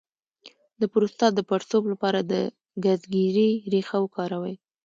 د پروستات د پړسوب لپاره د ګزګیرې ریښه وکاروئ